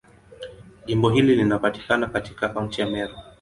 Jimbo hili linapatikana katika Kaunti ya Meru.